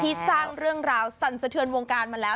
สร้างเรื่องราวสั่นสะเทือนวงการมาแล้ว